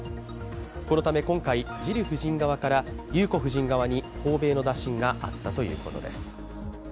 このため、今回、ジル夫人側から裕子夫人側に、訪米の打診があったということです。